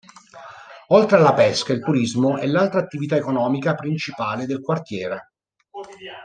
Oltre alla pesca, il turismo è l'altra attività economica principale del quartiere.